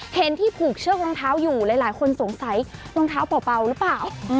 เห็นที่ผูกเชือกรองเท้าอยู่หลายคนสงสัยรองเท้าเป่าหรือเปล่า